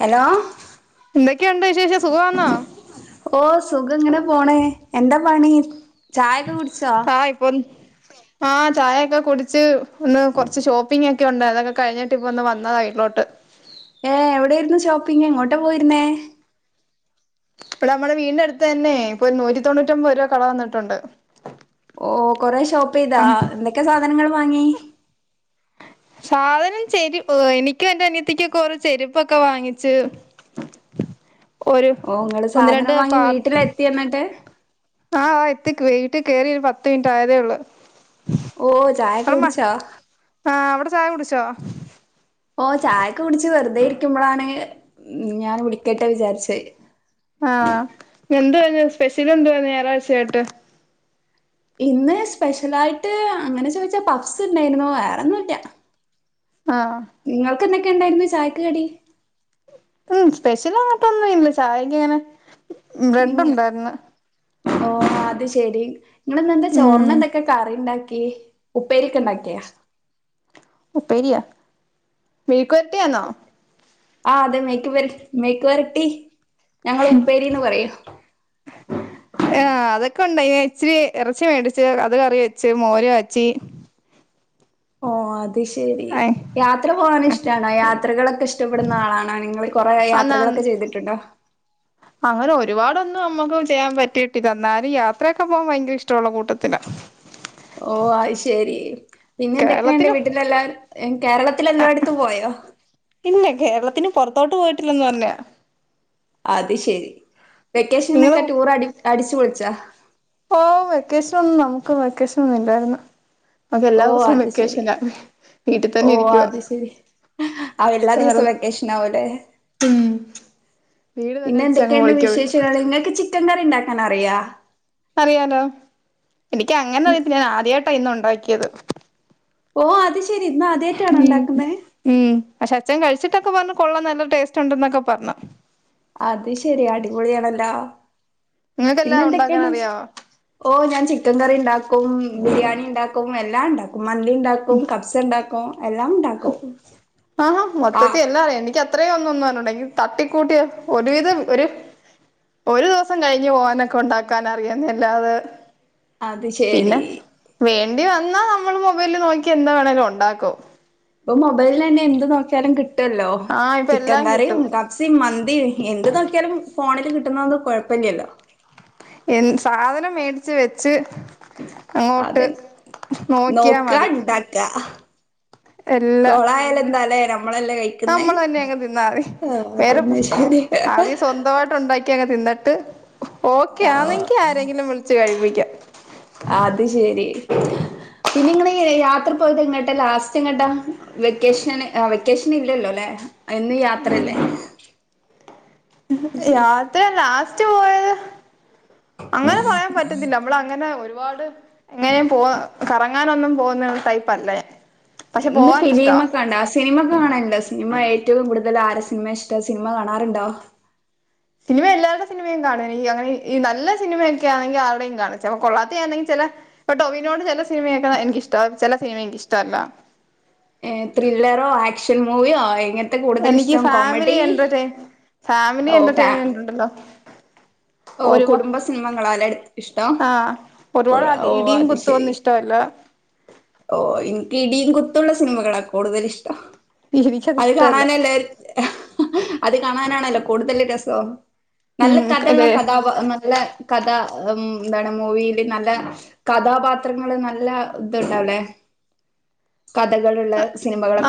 Hello ഒക്കെയുണ്ട് വിശേഷം സുഖാന്നോ ഓ സുഖം ഇങ്ങനെ പോണേ എന്താ പണി ചായൊക്കെ കുടി ആ ഇപ്പൊ ആഹ ചായൊക്കെ കുടിച്ച് ഒന്ന് കുറച്ച് ഷോപ്പിംഗ് ഒ ക്കയ ഉണ്ട് അതൊക്കെ കഴിഞ്ഞിട്ട് ഇപ്പൊ ഒന്ന് വന്നതാ വീട്ടിലോട്ട് ഏ എവിടൊയിരുന്നു ഷോപ്പിങ് എങ്ങോട്ടാ പോയിരുന്നേ ഇപ്പൊ നമ്മുടെ വീടിന്റെ അടുത്ത് തന്നെ ഇപ്പൊ ഒരു നൂറ്റി തൊണ്ണൂറ്റിമ്പൊത് രൂപ കട വന്നിട്ടുണ്ട് ഓ കൊറെ ഷോപ്പ് ചെയ്താ ആഹ് എന്തൊക്കെ സാധനങ്ങൾ വാങ്ങി സാധനം ചെരി എനിക്കും എന്റെ അനിയത്തിക്കൊക്കെ ഓരോ ചെരുപ്പൊക്കെ വാങ്ങിച്ച് ഒരു ഓ നിങ്ങള് ഒന്ന് രണ്ട് സാധനം വാങ്ങി പാ വീട്ടിലെത്തി എന്നിട്ട് ആഹ് എത്തി വീട്ട് കേറി ഒരു പത്ത് മിനിറ്റ് ആയതേ ഉള്ളു ഓ ചായൊക്കെ അമ്മ കുടിച്ചോ ആഹ് അവിടെ ചായ കുടിച്ചോ ഓ ചായൊക്കെ കുടിച്ച് വെറുതെ ഇരിക്കുമ്പോളാണ് ഉം ഞാൻ വിളിക്കട്ടെ വിചാരിച്ച ആഹ് എന്ത് സ്പെഷ്യൽ എന്ത് വാ ഞായറാഴ്ചയായിട്ട് ഇന്ന് സ്പെഷ്യല് ആയിട്ട് അങ്ങനെ ചോദിച്ചാ പബ്സ് ഉണ്ടായിരുന്നു വേറൊന്നുംല്ല ആഹ് നിങ്ങക്ക് എന്തൊക്കെ ഉണ്ടായിരുന്നു ചായക്ക് കടി ഉം സ്പെഷ്യൽ അങ്ങോട്ടൊന്നും ഇല്ല ചായക്ക് അങ്ങനെ ബ്രെഡ് ഉം ഉണ്ടായിന്ന് ഓ അത് ശെരി നിങ്ങള് ഇന്ന് എന്താ ഉം ചോറിന് എന്തൊക്കെ കറി ഉണ്ടാക്കി പേരി ഒക്കെണ്ടാക്കിയാ പേരിയാ മെഴക്കുവരട്ടിയാന്നോ ആ അതെ മേക്ക് മേക്ക് വരട്ടി ഞങ്ങ ഉപ്പേരിന്ന് പറയൂ ആഹ് അതൊക്കെ ഉണ്ടായിന് ഇച്ചിരി ഇറച്ചി മേടിച്ച് അത് കറി വെച്ച് മോര് കാച്ചി ഓ അത് ശെരി അയ് യാത്ര പോകാൻ ഇഷ്ടാണോ യാത്രകളൊക്കെ ഇഷ് ടപ്പെടുന്ന ആളാണോ നിങ്ങൾ കൊറെ അന്നാ യാത്രകളൊക്കെ ചെയ്തിട്ടുണ്ടോ അങ്ങനെ ഒരുപാടൊന്നും നമ്മുക്ക് ചെയ്യാൻ പറ്റിയിട്ടില്ല എന്നാലും യാത്രയൊക്കെ പോകാൻ ഭയങ്കര ഇഷ്ടമുള്ള കൂട്ടത്തിലാ ഓ അത്ശരി പിന്നെ എന്തൊക്കെയുണ്ട് കേരളത്തിനും വീട്ടിലെല്ലാ കേരളത്തിൽ എല്ലായിടത്തും പോയോ ഇല്ല കേരളത്തിന് പുറത്തോട്ട് പോയിട്ടില്ലെന്ന് പറഞ്ഞ അത് ശെരി വെക്കേഷനൊക്കെ നിങ്ങള് ടൂറടി അടിച്ചു പൊളിച്ചാ ഓ വെക്കേഷൻ ഒന്നും നമുക്ക് വെക്കേഷൻ ഒന്നും ഇല്ലായിരുന്നു അപ്പ എല്ലാ ഓ ദിവസവും അത് ശെരി വെക്കേഷനാ വീട്ടിൽ ഓ തന്നെ ഇരിക്കുവാ അത് ശെരി ആ എല്ലാ ദിവസവും വെക്കേഷൻ ആവുലേ ഉം വീട് തന്നെ പിന്നെ അടിച്ചങ്ങ് എന്തൊക്കെയാണ് പൊളിക്കും വിശേഷങ്ങൾ നിങ്ങൾക്ക് ചിക്കൻ കറി ഉണ്ടാക്കാൻ അറിയാ അറിയാലോ എനിക്ക് അങ്ങനെ അറിയത്തില്ല ഞാൻ ആദ്യായിട്ടാ ഇന്ന് ഉണ്ടാക്കിയത് ഓ അത്ശ ഉം ഉം ക്ഷേ അച്ചഛൻ കഴി ച്ചിട്ടൊക്കെ പറഞ്ഞു കൊള്ളാം നല്ല ടേസ്റ്റ് ഉണ്ട് എന്നൊക്കെ പറഞ്ഞു അത് ശെരി അടിപൊളിയാണല്ലോ പിന്നെ നിങ്ങൾക്കെല്ലാം ഉണ്ടാക്കാൻ എന്തൊകോണ്ട് അറിയാവോ ഓ ഞാൻ ചിക്കൻ കറി ഇണ്ടാ ക്കും ബിരിയാണി ഇണ്ടാക്കും എല്ലാം ഇണ്ടാക്കും മന്തി ഇണ്ടാക്കും കബ്സ് ഇണ്ടാക്കും ആഹാ ആ മൊത്തത്തി എല്ലാ എക്ക് ആ അത്രയും ഒന്ന് ഒന്ന് അറിഞ്ഞൂടൊ തട്ടിക്കൂട്ടിയ ഒരുവിധം ഒരു ഒരു ദിവസം കഴിഞ്ഞ് പോവാനൊക്കെ ഉണ്ടാക്കാൻ അറിയാന്ന് അല്ലാതെ അത് ശെരി വേണ്ടി വന്നാൽ നമ്മള് മൊബൈല് നോക്കി എന്താ വേണേലേ ഉണ്ടാക്കും ഇപ്പ മൊബൈലിൽ തന്നെ എന്ത് നോക്കിയാലും കിട്ടും ട്ടല്ലോ ആഹ് ഇപ്പൊ ചിക്കൻ എല്ലാം കറിയും കിട്ടും കപ്സി മന്തി എന്ത് നോക്കിയാലും ഫോണില് കിട്ടുന്നത്ത് കൊഴപ്പില്യല്ലോ എൻ സാധനം മേടിച്ച് വെച്ച് അങ്ങോട്ട് അതന്നെ നോക്കിയാ മതി കൊളായലേന്താലേ നമ്മളാന്നെ അങ്ങ് തിന്നതി ആഹ് വേറെ അതന്നെ ശരി ആദ്യം സ്വന്തമായിട്ട് ഉണ്ടാക്കി അങ്ങ് തിന്ന എന്നിട്ട് ഓക്കെ ആഹ് ആനെങ്കിൽ ആരെങ്കിലും വിളിച്ച് കഴിപ്പിക്കാം അത് ശെരി പിന്നെ ഇങ്ങള് രാത്രി പോയിട്ട് എങ്ങോട്ടെ ലാസ്റ്റ് എങ്ങട്ട വെക്കേഷന് വെക്കേഷൻ ഇല്ലല്ലോല്ലേ എന്നി യാത്രല്ലേ ശെരി യാത്ര ലാസ്റ്റ് പോയത് അങ്ങനെ പറയാൻ പറ്റത്തില്ല നമ്മള് അങ്ങനെ ഒരു ഒരുപാട് എങ്ങനെ പോ കറങ്ങാനൊന്നും പോവുന്നുള്ള ടൈപ്പല്ല ഞാൻ പക്ഷെ ഇന്ന് പോവാൻ ഇഷ്ടാ സിനിമ കണ്ടാ സിനിമ കാണണ്ട് സിനിമ ഏറ്റവും കൂടുതൽ ആരാ സിനിമയാ ഇഷ്ടം സിനിമ കാണാറുണ്ടോ സിനിമ എല്ലാവരുടെ സിനിമയും കാണം ഈ അങ്ങനെഈ നല്ല സിനിമയൊക്കെ ആണങ്കിൽ ആരുടെയും കാണിച്ചാ കൊള്ളാതെയാണെങ്കിൽ ചില ട്ടോ ടോവിനോട് ചില സിനിമക്ക എനിക്ക് ഇഷ്ട ചില സിനിമേ എനിക്ക് ഇഷ്ട്ടല്ല ഏ ത്രില്ലറോ ആക്ഷൻ മൂവിയോ എങ്ങനെ എനിക്ക് ഫാമിലി എന്റർ ഫാമിലി ഓഹ് ഫാ എന്റർടൈൻമെന്റ് ഉണ്ടല്ലോ ഓ ഒരുപാ കുടുംബ സിനിമങ്ങളാല്ലേ ഇഷ്ടം ആഹ് ഒരുപാട് ഓ ഇടിയും അത് ശെരി കുത്തുവൊന്നും ഇഷ്ടമല്ല ഓ എനിക്ക് ഇടിയും കുത്തുള്ള സിനിമകളാ കൂടുതൽ ഇഷ്ടം എനിക്കത് അത് ഇഷ്ടല്ല കാണാനല്ലേ അത് കാണാനാണല്ലോ കൂടുതൽ രസം നല്ല കഥുള്ള ഉം കഥ നല്ല കഥ ആ ഉം എന്താണ് മൂവിയില് നല്ല കഥാപാത്രങ്ങള് നല്ല ഇതുണ്ടാവലേ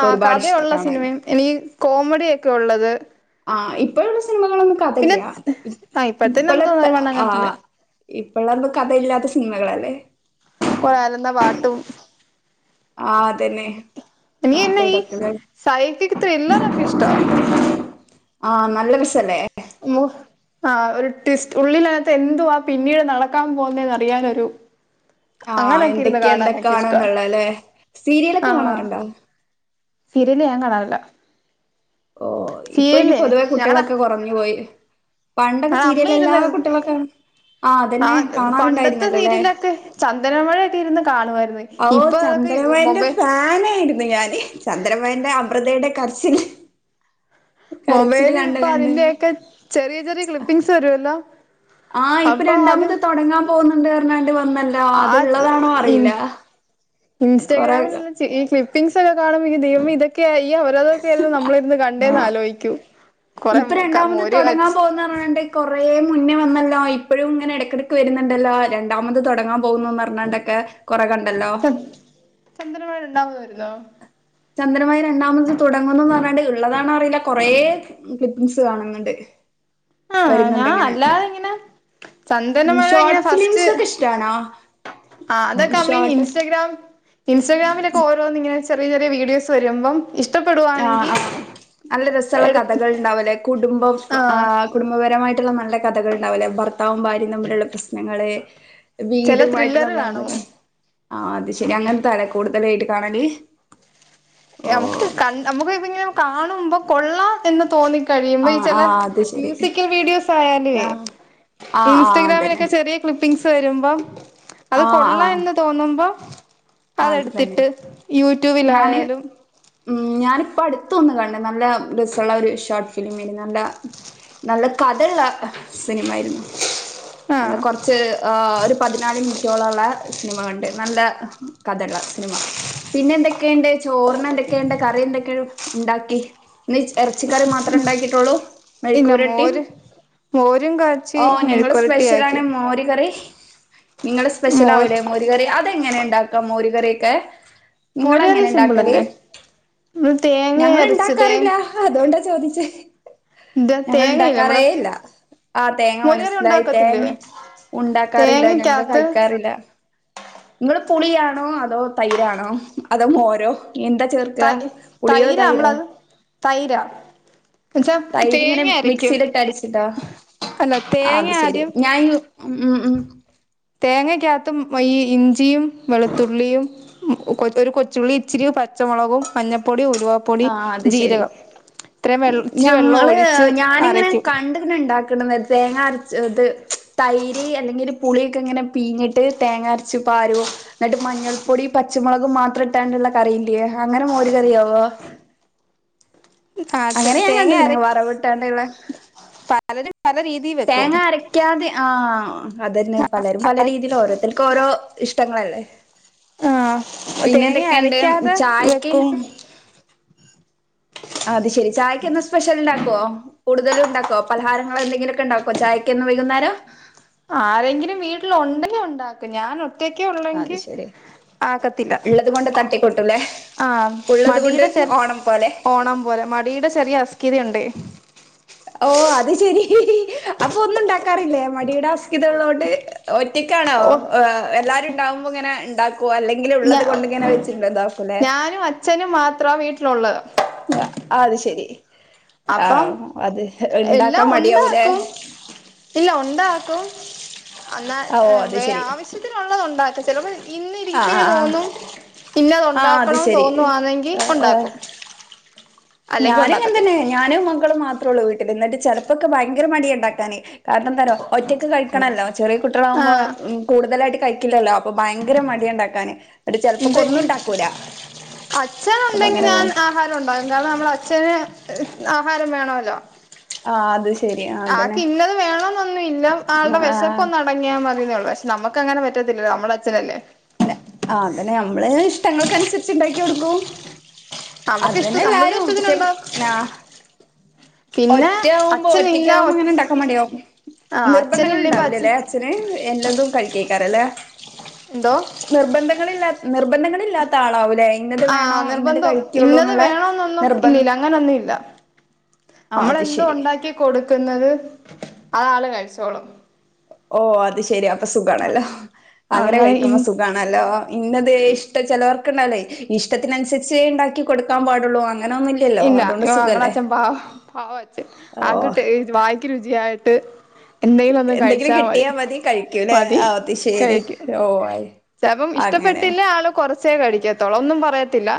ആ ഒരുപാട് ഇഷ്ട കഥയുള്ള കാണാന് സിനിമയും ഇനി കോമഡിയൊക്കെ ഉള്ളത് ആ ഇ സിനിമകളൊന്നും പിന്നെ കഥല്യാ ആഹ് ഇപ്പഴത്തന്നെ ഇപ്പോലെതെ എന്തോന്ന ആ മണ്ണാങ്കട്ടല് ഇപ്പഴിള്ളതൊന്നും കഥയില്ലാത്ത സിനിമകളല്ലേ കൊറാലന്ന പാട്ടും ആ അതന്നെ പാട്ടും നീയെനായി ഇതൊക്കെ [unintelligible] ല്ലാറോക്കേ ഇഷ്ട ആ നല്ല രസില്ലേ ഇമ്മോ ആ ഒരു ട്വിസ്റ്റ് ഉള്ളിൽ അനത്ത് എന്തുവാ ആ പിന്നീട് നടക്കാൻ പോവുനെന്ന് അറിയാനൊരു ആ അങ്ങനൊക്കെ ഇരുന്ന് എന്തൊക്കെയ കാണാനൊക്കെ എന്തൊക്കവാണ് ഇഷ്ട എന്നുള്ള അല്ലെ സീരിയലൊക്കെ കാണാറുണ്ട സിരിയല് ഞാൻ കാണറില്ല ഓ ഇപ്പൊ ഇനി പൊതുവെ കുട്ടികളൊക്കെ കുറഞ്ഞു പോയി പണ്ടൊക്കെ സീരിയൽ എല്ലാ കുട്ടികളൊക്കൊണ് ആ പണ്ടത്തെ സീരിലൊക്കെ ചന്ദനമഴയക്കെ ഇരുന്ന് കാണുവാരുന്ന് ഇപ്പൊ അതൊക്കെ ചന്ദനമഴയെന്റെ മൊബൈ ഫാനായിരുന്നു ഞാന് ചന്ദനമഴന്റെ അമൃതയുടെ കർച്ചില് മൊബൈലിൽ ഇപ്പൊ അതിന്റെക്കെ ചെറിയ ചെറിയ ക്ലിപ്പിങ്സ് വരുവല്ലോ ആഹ് ഇപ്പൊ അപ്പൊ അത് രണ്ടാമത് തൊടങ്ങാൻ പോന്നുണ്ട്റഞ്ഞാണ്ടിപോ ആ ജ് ഇൻ കൊറെ ഇൻസ്റ്റാഗ്രാമില്ള്ള ച് ഈ ക്ലിപ്പിംഗ്സ് ഒക്കെ കാണുമ്പോക്ക് ദൈവമേ ഇതൊക്കെയായി ഈ അവരാധോക്കെ ആയിരുന്നു നമ്മ്ളിരുന്ന് കണ്ടേന്ന് ആലോയ്ക്കു ഇപ്പൊ രണ്ടാമത് തൊടങ്ങാൻ പോന്ന് പറഞ്ഞ്ണ്ട് കൊറെ മുന്നേ വന്നല്ലോ ഇപ്പോഴും ഇങ്ങനെ എടയ്ക്കെടക്ക് വരുന്നുണ്ടല്ലോ രണ്ടാമത് തൊടങ്ങാ പോകുന്നൂന്ന് പറഞ്ഞാണ്ടൊക്കെ ചം ചന്ദനമഴ രണ്ടാമത് വരുന്നോ ചന്ദനമയ രണ്ടാമത് തുടങ്ങുന്നൂന്ന് പറഞ്ഞാണ്ട് ഇള്ളതാണോ അറീല്ല കൊറെേ ക്ലിപ്പിങ്സ് കാണുന്നുണ്ട് ആഹ് ഞാ വരുന്നുണ്ടിങ്ങനെ അല്ലാതെ ഇങ്ങനെ ചനന്ദനമഴ ഇങ്ങനെ ഷോർട്ട് ഫസ്റ്റ് ഫിലിംസ് ഒക്കെ ഇഷ്ടാണോ ആഹ് അതൊക്കെ അമ്മള്ഈ ഷോർട്ട് ഇൻസ്റ്റഗ്രാം ഇൻസ്റ്റഗ്രാമിലൊക്കെ ഓരോന്നിങ്ങനെ ച് ചെറിയ ചെറിയ വീഡിയോസ് വരുമ്പം ആഹ് ഇഷ്ടപ്പെടുവാണെങ്കിൽ ആഹ് നല്ല രസ്സള്ള എടു കഥകൾ ഇണ്ടാവ് അല്ലെ കുടുംബം പ് ആ ആഹ് കുടുംബപര മായിട്ടുള്ള നല്ല കഥകൾണ്ടാവില്ലേ ഭർത്താവും ഭാര്യയും തമ്മിലുള്ളപ്രസ് നങ്ങള് ചില വീടുമായിട്ടൊള്ള ത്രില്ലർ കാണും ബന്ധങ്ങ ആ അത് ശെരി അങ്ങൻതത്തെ ആണേ കൂടുതലായിട്ട് കാണല് യമുക്ക് ഓഹ് കൺ അമുക്ക് ഇപ്പ ഇങ്ങനെ കാണുമ്പോ കൊള്ളാം എന്ന് തോന്നിപ്പി കഴിയുമ്പോ ഈ ആഹ് ചെല ആഹ് അത് ശരി മ്യൂസിക്കൽ വീഡിയോസ് ആയാലുവേ ആഹ് ആഹ് ആഹ് അതന്നെ ഇൻസ്റ്റഗ്രാമിലൊക്കെ ചെറിയ ക്ലിപ്പിംഗ്സ് വരുമ്പോ അത് ആഹ് കൊള്ളാം ആഹ് എന്ന് തോന്നുമ്പോ അത് തന്നെ അതെടുത്തിട്ട് ഞാന് യൂട്യൂബിലായാലും ഉം ഞാനിപ്പോ അടുത്തൊന്ന് കണ്ട് നല്ല രസോമുള്ള ഒരു ഷോർട്ട് ഫിലിംമിന് നല്ല നല്ല കഥള്ള സിനിമ്മാരുന്നു നല്ല ആഹ് കൊറച്ച് ആ ഒരു പതിനാല് മിനിറ്റോളംള്ള സിനിമ കണ്ട് നല്ല കഥള്ള സിനിമ. പിന്നെ എന്തൊക്കെയ്ണ്ട് ചോർനെന്തെക്കെയുണ്ട് കറി എന്തൊക്കെയെഴു ഇണ്ടാക്കി ന്നീജ് എറച്ചിക്കറി മാത്രേ ഇണ്ടാക്കിട്ടോള്ളൂ ഇല്ല മെഴുക്കുപുരട്ടീം മോര് മോരും കാച്ചി ഓ നിങ്ങള് മെഴുക്കുരട്ടിയാക്കി സ്പെഷ്യലാണ് മോരി കറി നിങ്ങൾടെ സ്പെഷ്യലാവൂലേ മോര് കറി അതെങ്ങനെ ഇണ്ടാക്കാം മോര് കറിയൊക്കെ മോര്കറി നിങ്ങളങ്ങനെ ഇണ്ടാക്കല് സിമ്പിളല്ലേ നമ്മള് തേങ്ങ അരച്ച് തേ ഞങ്ങളിണ്ടാക്കാറില്ല അതുകൊണ്ടാ ചോദിച്ചെ ഇത് ഞങ്ങൾ തേങ്ങയില്ലേ നമ്മള് ഇണ്ടാക്കാറേയില്ല ആഹ് തേങ്ങ മോര് കറി മനസ്സിലായി ഉണ്ടാക്കത്തില്ലേ തേങ്ങ ഉണ്ടാക്കാറില്ല ഞങ്ങള് തേങ്ങക്കകത്ത് കയ്ക്കാറില്ല ഇങ്ങള് പുളിയണോ അതോ തൈരാണോ അതോ മോരോ എന്താ ചേർക്കാ തൈ പുളിയോ തൈരാ തൈരോ നമ്മളത് തൈരാ എന്നുവെച്ചാ തൈരിങ്ങനെ തേങ്ങ മ് അരക്കും മിക്സിയിലിട്ടടിച്ചിട്ടോ അല്ല ആ തേങ്ങ അത് ശെരി ഞായൂ ഊംഊം തേങ്ങക്കാത്തും വഈ ഇഞ്ചിയും വെളുത്തുള്ളിയും ഉം കൊ ഒരു കൊച്ചുള്ളി ഇച്ചിരി പച്ചമൊളകും മഞ്ഞപ്പൊടി, ഉരുവാപ്പൊടി, ആ അത് ശെരി ജീരകം ഇത്രയും വെ ഇച്ചിരി വെള്ളം ഞങ്ങള് ഒഴിച്ച് ഞാനിങ്ങനെ അരയ്ക്കും കണ്ട്ക്ക്ന്ണ്ടാ ക്ക്ണ്ന്നെ തേങ്ങ അരച് ത് തൈര് അല്ലെങ്കില് പുളീക്കെ ഇങ്ങനെ പീഞ്ഞിട്ട് തേങ്ങരച്ചു പരൂ ന്നിട്ട് മഞ്ഞൾപ്പൊടി, പച്ചമൊളകും മാത്രം ഇട്ടാണ്ട്ള്ള കറി ഇല്ലിയേ അങ്ങനെ മോര് കറിയോവോ [unintelligible] ആ അങ്ങനെ ഞാൻ തേങ്ങ കണ്ട്ക്ക്ണ് അരക്കും വറവ്ട്ടാണ്ടയൊള്ള പലരും പല രീതിയിൽ വെക്കും തേങ്ങ അരക്കാതെ ആ അതന്നെ പലരും പല രീതിൽ ഓരോരുത്തർക്ക് ഓരോ ഇഷ്ടങ്ങളല്ലേ ആ തേങ്ങ പിന്നെന്തൊക്കെയുണ്ട് അരക്കാതെ ചായക്ക് വെക്കും അത് ശെരി ചായക്കെന്നും സ്പെഷ്യൽ ഇണ്ടാക്കോ കൂടുതലും ഉണ്ടാക്കോ പലഹാരങ്ങളെ എന്തെങ്കിലും ഇണ്ടാക്കോ ചായക്ക് എന്നും വൈകുന്നേരം ആരെങ്കിലും വീട്ടില് ഒണ്ടെങ്കി ഒണ്ടാക്കും ഞാൻ ഒറ്റക്കേ ഒള്ളെങ്കിൽ ള്ളത് കൊണ്ട് തട്ടിക്കൂട്ടുംല്ലേ ആഹ് മടിയുടെ ചെ ഓണം പോലെ മടിയുടെ ചെറിയ അസ്കിതി ഉണ്ടേ ഓ അത് ശരി അപ്പൊ ഒന്നും ണ്ടാക്കാറില്ലേ? മടിയുടെ അസ്കി തള്ളോണ്ട്‌. ത്തിക്കാണോ ഓ എല്ലാവരും ഉണ്ടാവുമ്പോ ഇങ്ങനെ ണ്ടാക്കു അല്ലെങ്കില് ഞ ഉള്ളത് കൊണ്ട്‌ ഇങ്ങനെ വെച്ചിണ്ടതാക്കൂലേ? ഒള്ള ആ അത് ശരി. അപ്പം ആഹ് അത് എല്ലാം ഇണ്ടാക്കാൻ മടിയാവൂലേ ഉണ്ടാക്കും. ഇല്ല ഉണ്ടാക്കും എന്നാ ഓ അത് വേ ശരി ആവശ്യത്തിനുള്ളത് ഉണ്ടാക്കും ചിലപ്പോ ഇന്ന് ആഹ് രിപ്പനെ ആഹ് തോന്നും. ഇന്നത് ആഹ് അത് ഉണ്ടാക്കണന്ന് ശരി തോന്നുവാന്നെ ങ്കി ഉണ്ടാക്കും. അല്ലെങ്കി ഉണ്ടാക്കത്തില്ല ഞാനുംകണ്ടന്നെ ഞാനും മക്കളും മാത്രം ള്ളൂ വീട്ടിൽ എന്നിട്ട് ചെലപ്പൊക്കെ ഭയങ്കര മടിയാണ്ടാക്കാന്. കാരണംന്താ റിയോ ഒറ്റക്ക് കഴിക്കണല്ലോ? ചെറിയ കുട്ടികളാവുമ്പോ ആഹ് കൂടുതലായിട്ട് കഴിക്കില്ലല്ലോ? അപ്പൊ ഭയങ്കര മടിയ ണ്ടാക്കാാന്. ട്ട് ചിലപ്പോ ക്കൊന്നും ഉണ്ടാക്ക അച്ഛനു ണ്ടെങ്കി ഞാൻ പോകും ആഹാരം ഉണ്ടാകും. കാരണം നമ്മ അച്ഛ ചന് ആഹാരം വേണല്ലോ? ആ അത് ശ ആക്ക് ഇന്നത് വേണം എന്നൊന്നും ഇല്ല ആൾടെ ആഹ് വിശപ്പൊന്നടങ്ങിയാ മതിന്നെ ള്ളൂ. പക്ഷെ നമക്ക് ക്ക ങ്ങനെ പറ്റത്തില്ലല്ലോ? നമ്മുടെ അച്ഛനല്ലേ? ല്ലാ അ അങ്ങനെ നമ്മളെ ഇഷ്ടങ്ങൾക്ക നുസരിച്ച് ണ്ടാക്കി കൊടുക്കൂ നമുക്ക് അത് ഇഷ്ട നമ്മളുടെ തന്നെല്ലാരും. പക്ഷെ ഇഷ്ടത്തിനുണ്ടാക്കും ആ പിന്നെ ഒറ്റ ആകുമ്പോ അച്ഛനില്ല ഒറ്റക്കാവുമ്പോ ങ്ങനെ ണ്ടാക്കാൻ മടിയാകും. ആ നിർബന്ധങ്ങൾ അച്ഛനില്ല ഇപ്പ അച്ഛൻ ണ്ടാവില്ലല്ലേ അച്ഛന്? എല്ലാതും കഴിക്കേക്കാരം ല്ലേ? എന്തോ നിർബന്ധങ്ങളില്ലാത്ത നിർബന്ധങ്ങളില്ലാത്ത ആളാവൂലേ? ഇന്നത് ആഹ വേണോ ഇന്നത് നിർബന്ധം കഴിക്കുള്ളൂ ഇന്നത് എന്നുള്ള വേണന്നൊന്നും നിർബന്ധം ഇല്ലല്ല അങ്ങനൊന്നും ഇല്ല. ആ അത് മ്മളെന്തോ ശരി ഒണ്ടാക്കി കൊടുക്ന്നത്, അതാള് കഴിച്ചോളും. ഓ അത് ശെരി അ ആ സുഖണല്ലോ? അങ്ങനെ കഴിക്കുമ്പോ സുഖാണല്ലോ. ഇന്നതെ ഇഷ്ട ചിലവർക്ക് ല്ലേ ഇഷ്ടത്തിനുസരിച്ചേ ണ്ടാക്കി കൊടുക്കാൻ പാടൊള്ളൂ ഇല്ല യോ ങ്ങടെ അച്ഛൻ പാവ പാവച്ചൻ ആ ഓ കിട്ട് വായിക്ക് രുചിയായി ട്ട് എന്തെലും ഒന്ന് എന്തെങ്കിലും കഴിച്ചാ മതി കിട്ടിയാ കഴിക്കൂലേ മതി ആ അത് ശരി കഴിക്കും. ഓ ആയി ചെപ്പം അങ്ങനെ ഇഷ്ടപ്പെട്ടില്ലേ ആള് കൊറച്ചേകഴിക്കാത്തോള്ള ഒന്നും പറയത്തില്ല.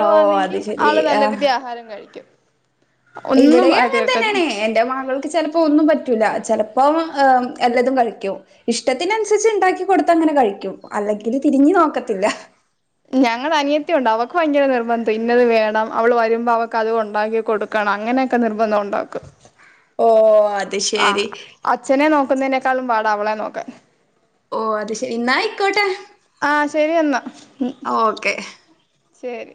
ഓ അത് ശരി ആള് ആ നല്ല രീതി ആഹാരം കഴിക്കും. ഒന്നും ഇവിടെയും അങ്ങനെ പറയത്തില്ല തന്നണേ എൻറെ മകൾക്ക് ചെലപ്പോ ഒന്നും പറ്റ ല്ലാ. ചെലപ്പോ ഇ എല്ലാതും കഴിക്കും. ഇഷ്ടത്തിനനുസരിച്ച് ണ്ടാക്കി കൊടുത്ത ങ്ങനെ കഴിക്കുംഅല്ലാതെ അല്ലെങ്കില് തിരിഞ് നോക്കത്തില്ല. ഞങ്ങളെ അനിയത്തിയുണ്ട്. അവക്ക് വ യങ്കര നിർബന്ധ, ഇന്നത് വേണം അവള് വരുമ്പോ അവക്ക് അതൊണ്ടാക്കി കൊടുക്കണം. അങ്ങനെയൊക്കെ നിർബന്ധവുണ്ട വക്ക്. ഓ അത് അ ശരി അച്ഛനെ നോക്കുന്നതിനെ ക്കാളും പാട അവളെ നോക്കാൻ. ഓ അത് ശരി ന്ന അയ്ക്കോട്ടെ. ആ ശരി എന്നാ ഓക്കെ ശരി.